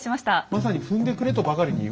まさに踏んでくれとばかりに。